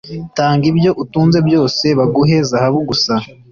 tanga ibyo utunze byose baguhe zahabu gusa